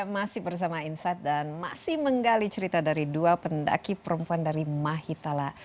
masih bersama insight dan masih menggali cerita dari dua pendaki perempuan dari mahitala